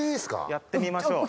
やってみましょう。